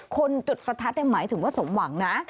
จุดประทัดหมายถึงว่าสมหวังนะ